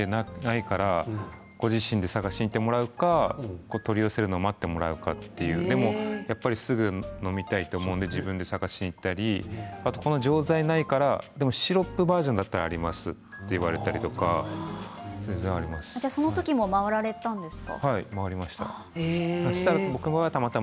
薬もらいに行ってないからご自身で探しに行ってもらうか取り寄せるのを待っているかでも、すぐのみたいと思うので自分で探しに行ったりこの錠剤がないからってシロップバージョンだったらありますと言われたりとかその時も回られたんですか。